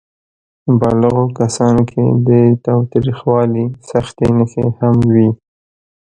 بالغو کسانو کې د تاوتریخوالي سختې نښې هم وې.